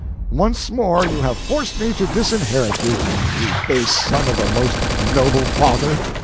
Once more you have forced me to disinherit you, you base son of a most noble father!